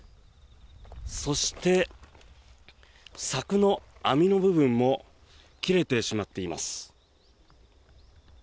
そして、柵の網の部分も切れてしまっています。